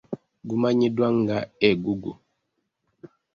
Gumanyiddwa nga eggugu.